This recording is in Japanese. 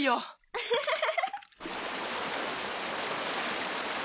ウフフフ。